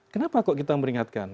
kenapa kok kita memperingatkan